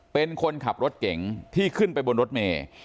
เป็นคนขับรถเก๋งที่ขึ้นไปบนรถเมย์